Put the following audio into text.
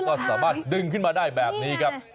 ก็สามารถดึงขึ้นมาได้แบบนี้ครับ